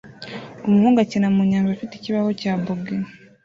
Umuhungu akina mu nyanja afite ikibaho cya boogie